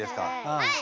はい！